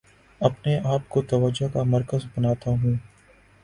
اپنے آپ کو توجہ کا مرکز بناتا ہوں